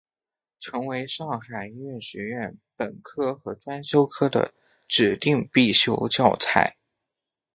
成为上海音乐学院本科和专修科的指定必修教材。